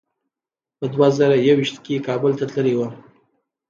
په دوه زره یو ویشت کې کابل ته تللی وم.